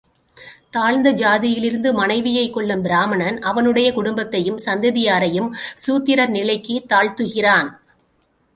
தாழ்ந்த சாதியிலிருந்து மனைவியைக் கொள்ளும் பிராமணன் அவனுடைய குடும்பத்தையும் சந்ததியாரையும் சூத்திரர் நிலைக்குத் தாழ்த்துகிறான்.